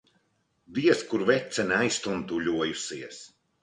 Diez kur vecene aiztuntuļojusies.